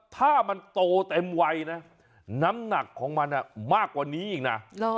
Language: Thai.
ถ้ามันโตเต็มวัยนะน้ำหนักของมันมากกว่านี้อีกนะ